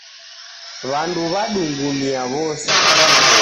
W'andu wadungumia w'ose.